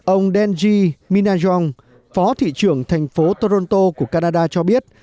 ông denzi minanwong phó thị trưởng thành phố toronto của canada cho biết